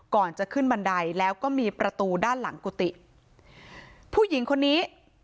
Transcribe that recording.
ก่อนจะขึ้นบันไดแล้วก็มีประตูด้านหลังกุฏิผู้หญิงคนนี้